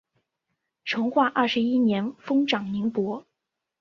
成化二十一年封长宁伯。